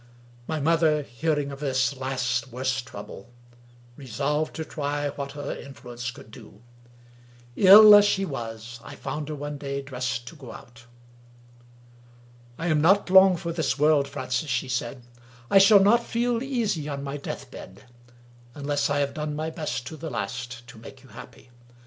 My mother, hearing of this last worse trouble, resolved to try what her influence could do. Ill as she was, I found her one day dressed to go out. " I am not long for this world, Francis," she said. " I shall not feel easy on my deathbed, unless I have done my best to the last to make you happy.